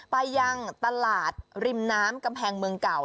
ไปยังตลาดริมน้ำกำแพงเมืองเก่า